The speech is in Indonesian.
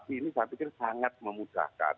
ini saya pikir sangat memudahkan